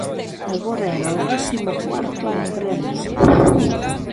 Agora era o décimo cuarto da Prémier.